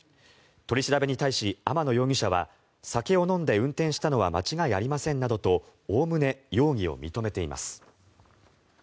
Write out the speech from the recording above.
取り調べに対し天野容疑者は酒を飲んで運転したのは間違いありませんなどとおおむね容疑を認めています。